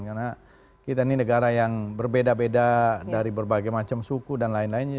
karena kita ini negara yang berbeda beda dari berbagai macam suku dan lain lainnya